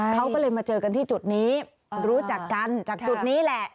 เขาก็เลยมาเจอกันที่จุดนี้รู้จักกันจากจุดนี้แหละ